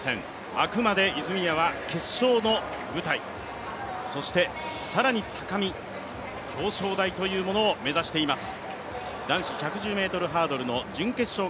あくまで泉谷は決勝の舞台、そして更に高み、表彰台というものを目指しています。